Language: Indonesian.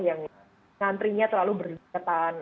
yang antrenya terlalu berdekatan